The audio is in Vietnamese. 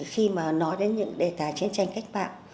khi mà nói đến những đề tài chiến tranh cách mạng